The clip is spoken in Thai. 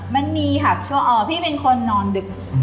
มันมีค่ะชัวร์อ๋อพี่เป็นคนนอนดึก